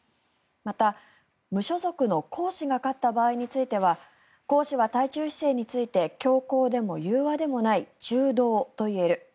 また、無所属のコウ氏が勝った場合についてはコウ氏は対中姿勢について強硬でも融和でもない中道と言える。